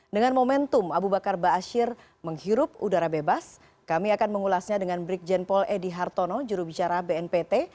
dengan momentum abu bakar ba'asyir menghirup udara bebas kami akan mengulasnya dengan brikjen paul edy hartono jurubicara bnpt